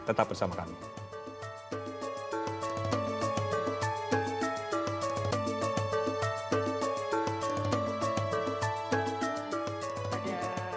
tetap bersama kami